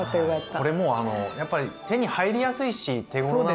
これもうやっぱり手に入りやすいし手ごろなので。